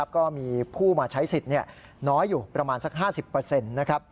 ก็มีผู้มาใช้สิทธิ์น้อยอยู่ประมาณสัก๕๐นะครับ